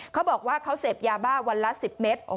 เขาบอกว่าเขาเสพยาบ้าวันละ๑๐เมตร